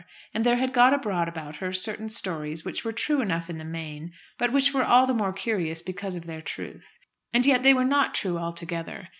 And there had got abroad about her certain stories, which were true enough in the main, but which were all the more curious because of their truth; and yet they were not true altogether.